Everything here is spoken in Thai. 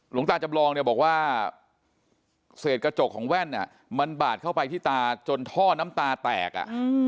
หลวงตาจำลองเนี่ยบอกว่าเศษกระจกของแว่นมันบาดเข้าไปที่ตาจนท่อน้ำตาแตก